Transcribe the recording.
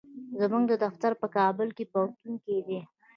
زموږ دفتر په کابل پوهنتون کې دی.